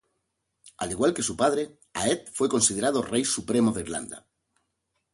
Al igual que su padre, Áed fue considerado Rey Supremo de Irlanda.